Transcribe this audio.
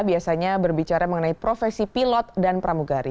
biasanya berbicara mengenai profesi pilot dan pramugari